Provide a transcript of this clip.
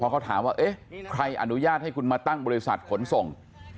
เอะใครอนุญาตให้คุณมาตั้งบริษัทขนส่ง